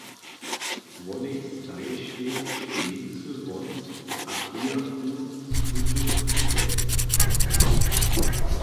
Wonej stajištej škleńcy won a pijachu z tutych sekt.